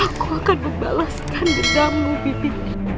aku akan membalaskan bedamu bibi